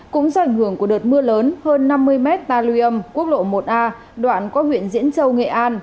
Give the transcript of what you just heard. cũng do ảnh hưởng của đợt mưa lớn hơn năm mươi m talium quốc lộ một a đoạn qua huyện diễn châu nghệ an